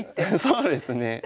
そうですね。